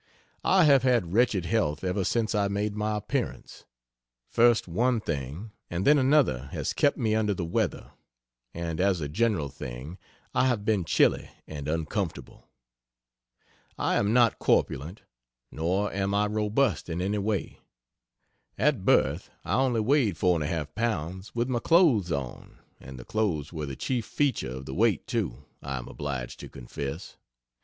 I have had wretched health ever since I made my appearance. First one thing and then another has kept me under the weather, and as a general thing I have been chilly and uncomfortable. I am not corpulent, nor am I robust in any way. At birth I only weighed 4 1/2 pounds with my clothes on and the clothes were the chief feature of the weight, too, I am obliged to confess.